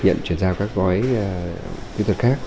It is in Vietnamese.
nhận chuyển giao các gói kỹ thuật khác